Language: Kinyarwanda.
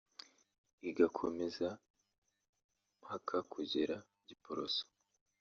igakomeza mpaka kugera ku Giporoso